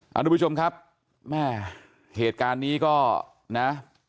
ทุกผู้ชมครับแม่เหตุการณ์นี้ก็นะ